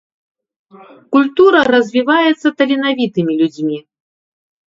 Культура развіваецца таленавітымі людзьмі.